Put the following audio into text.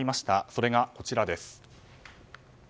それが、こちらです。